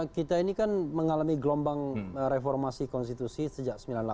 kita ini kan mengalami gelombang reformasi konstitusi sejak sembilan puluh delapan